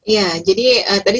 ya jadi tadi